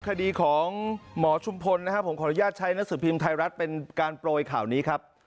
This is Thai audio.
คดีของหมอชุมพลนะครับผมขออนุญาตใช้หนังสือพิมพ์ไทยรัฐเป็นการโปรยข่าวนี้ครับ